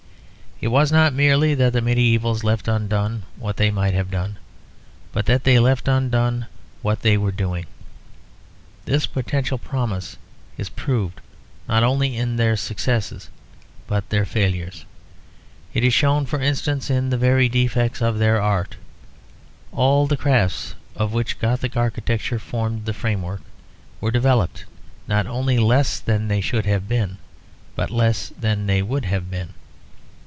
It was not merely that the medievals left undone what they might have done, but they left undone what they were doing. This potential promise is proved not only in their successes but in their failures. It is shown, for instance, in the very defects of their art. All the crafts of which Gothic architecture formed the frame work were developed, not only less than they should have been, but less than they would have been.